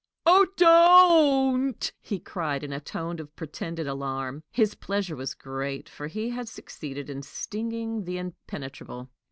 "Oh, don't!" he cried, in a tone of pretended alarm. His pleasure was great, for he had succeeded in stinging the impenetrable.